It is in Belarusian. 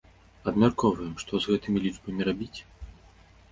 Абмяркоўваем, што з гэтымі лічбамі рабіць?